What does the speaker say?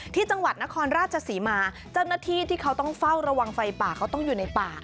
ที่จังหวัดนครราชศรีมาเจ้าหน้าที่ที่เขาต้องเฝ้าระวังไฟป่าเขาต้องอยู่ในป่า